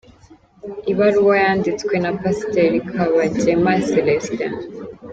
Ibaruwa yanditswe na Pasiteri Kabagema Celestin.